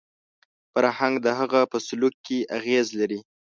فرهنګ د هغه په سلوک کې اغېز لري